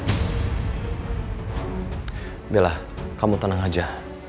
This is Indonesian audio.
udah lah kamu tenang aja